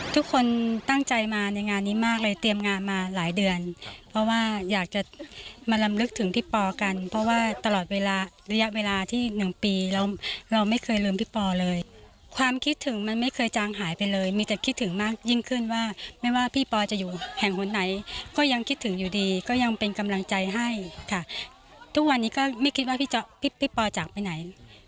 ทุกคนตั้งใจมาในงานนี้มากเลยเตรียมงานมาหลายเดือนเพราะว่าอยากจะมาลำลึกถึงพี่ปอกันเพราะว่าตลอดเวลาระยะเวลาที่หนึ่งปีเราเราไม่เคยลืมพี่ปอเลยความคิดถึงมันไม่เคยจางหายไปเลยมีแต่คิดถึงมากยิ่งขึ้นว่าไม่ว่าพี่ปอจะอยู่แห่งคนไหนก็ยังคิดถึงอยู่ดีก็ยังเป็นกำลังใจให้ค่ะทุกวันนี้ก็ไม่คิดว่าพี่ปอจากไปไหน